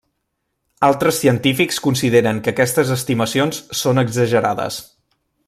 Altres científics consideren que aquestes estimacions són exagerades.